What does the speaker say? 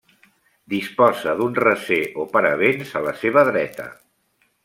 Disposa d'un recer o paravents a la seva dreta.